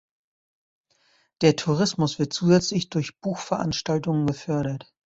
Der Tourismus wird zusätzlich durch Buch-Veranstaltungen gefördert.